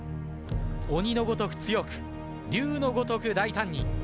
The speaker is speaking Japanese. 鬼のごとく強く龍のごとく大胆に。